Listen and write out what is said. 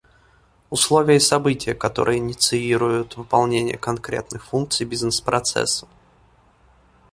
Условия и события, которые инициируют выполнение конкретных функций бизнес-процесса